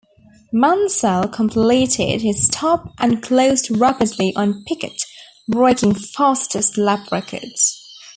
Mansell completed his stop and closed rapidly on Piquet, breaking fastest lap records.